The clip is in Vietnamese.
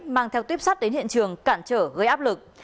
mang theo tiếp sát đến hiện trường cản trở gây áp lực